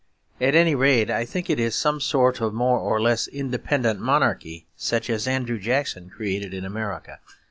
At any rate I think it is some sort of more or less independent monarchy, such as Andrew Jackson created in America.